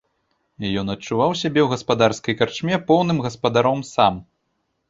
Ён адчуваў сябе ў гаспадарскай карчме поўным гаспадаром сам.